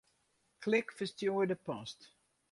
Klik Ferstjoerde post.